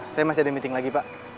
saya masih ada meeting lagi pak